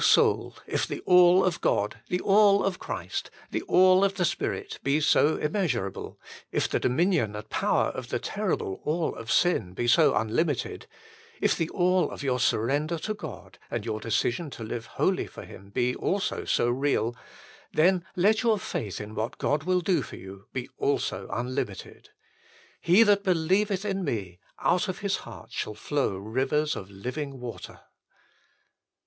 soul, if the All of God, the All of Christ, 180 THE FULL BLESSING OF PENTECOST the All of the Spirit be so immeasurable, if the dominion and power of the terrible All of sin be so unlimited, if the All of your surrender to God and your decision to live wholly for Him be also so real, then let your faith in what God will do for you be also unlimited. " He that be lieveth in Me, out of his heart shall flow rivers of living water."